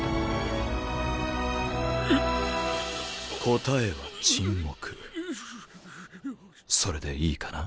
答えは沈黙それでいいかな？